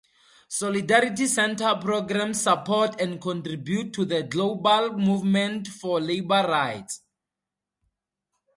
Solidarity Center programs support and contribute to the global movement for labor rights.